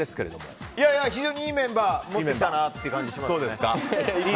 非常にいいメンバーを持ってきたなという感じがします。